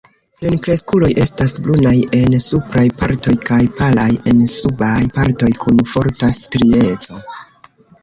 Plenkreskuloj estas brunaj en supraj partoj kaj palaj en subaj partoj, kun forta strieco.